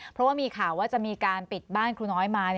เพราะว่ามีข่าวว่าจะมีการปิดบ้านครูน้อยมา